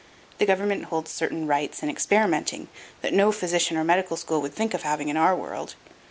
The government holds certain rights in experimenting that no physician or medical school would think of having in our world.